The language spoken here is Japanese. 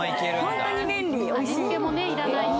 ホントに便利おいしい味付けもねいらないし